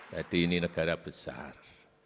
jadi ini negara besar